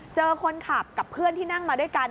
เจอคนขับกับเพื่อนที่นั่งมาด้วยกัน